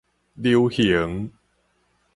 流形